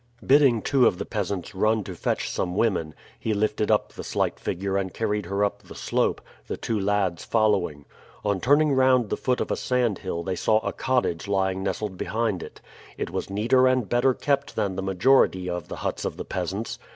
Bidding two of the peasants run to fetch some women, he lifted up the slight figure and carried her up the slope, the two lads following. On turning round the foot of a sandhill they saw a cottage lying nestled behind it. It was neater and better kept than the majority of the huts of the peasants.